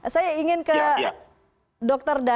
saya ingin ke dokter